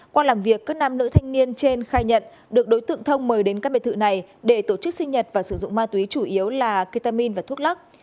qua làm việc các nam nữ thanh niên trên khai nhận được đối tượng thông mời đến các biệt thự này để tổ chức sinh nhật và sử dụng ma túy chủ yếu là ketamin và thuốc lắc